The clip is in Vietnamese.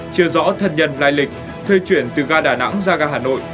chưa rõ thân nhân lai lịch thuê chuyển từ ga đà nẵng ra ga hà nội